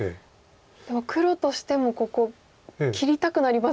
でも黒としてもここ切りたくなりますよね